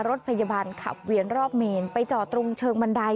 รถพยาบาลขับเวียนรอบเมนไปจอดตรงเชิงบันได